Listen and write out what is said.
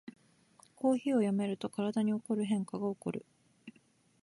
コーヒーをやめると体に起こる変化がおこる